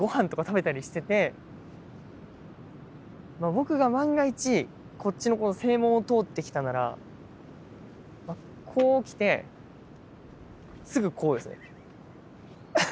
僕が万が一こっちのこの正門を通ってきたならこう来てすぐこうですね。